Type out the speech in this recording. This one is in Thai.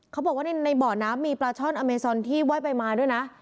เขาบอกว่าในบ่อน้ำมีปลาช่อนอเมซอนที่ไหว้ไปมาด้วยนะ